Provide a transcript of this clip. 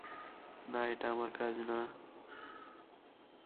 না, এটা আমার কাজ না।